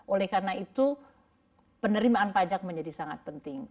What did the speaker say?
oleh karena itu penerimaan pajak menjadi sangat penting